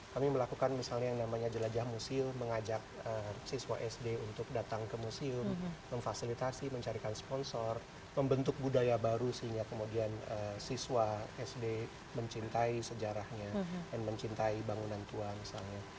kami melakukan misalnya yang namanya jelajah musil mengajak siswa sd untuk datang ke museum memfasilitasi mencarikan sponsor membentuk budaya baru sehingga kemudian siswa sd mencintai sejarahnya dan mencintai bangunan tua misalnya